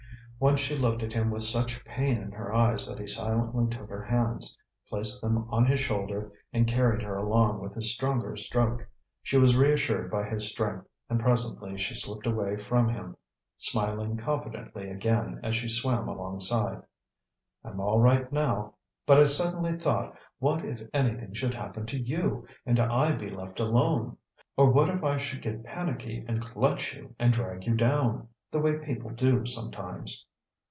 Once she looked at him with such pain in her eyes that he silently took her hands, placed them on his shoulder and carried her along with his stronger stroke. She was reassured by his strength, and presently she slipped away from him, smiling confidently again as she swam alongside. "I'm all right now; but I suddenly thought, what if anything should happen to you, and I be left alone! Or what if I should get panicky and clutch you and drag you down, the way people do sometimes!"